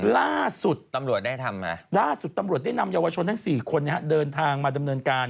ล่าสุดตำรวจได้นำเยาวชนทั้ง๔คนเดินทางมาดำเนินการ